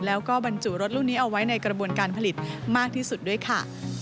แล้วก็บรรจุรถลูกนี้เอาไว้ในกระบวนการผลิตมากที่สุดด้วยค่ะ